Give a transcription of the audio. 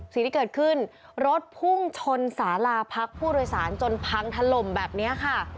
สิ่งที่เกิดขึ้นรถพุ่งชนสาลาพักผู้โดยสารจนพังถล่มแบบนี้ค่ะ